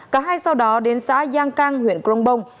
cả hai sau đó đến xã giang cang huyện krongpong